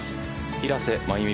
平瀬真由美